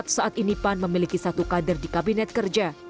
saat ini pan memiliki satu kader di kabinet kerja